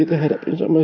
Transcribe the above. kita hadapin sama sama ya